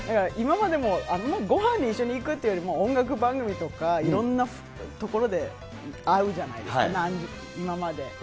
今までもあんまりごはんに一緒に行くというよりも、音楽番組とか、いろんなところで会うじゃないですか、今まで。